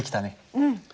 うん。